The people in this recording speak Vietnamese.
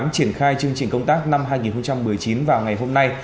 triển khai chương trình công tác năm hai nghìn một mươi chín vào ngày hôm nay